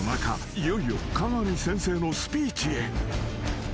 いよいよ加賀美先生のスピーチへ］